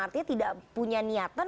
artinya tidak punya niatan untuk memastikan